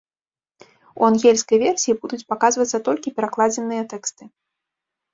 У ангельскай версіі будуць паказвацца толькі перакладзеныя тэксты.